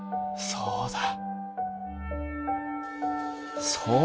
そうだよ！